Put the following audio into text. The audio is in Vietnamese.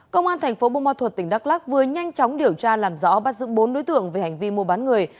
công an thành phố bô ma thuật tỉnh đắk lắc vừa nhanh chóng điều tra làm rõ bắt giữ bốn đối tượng về hành vi mua bán người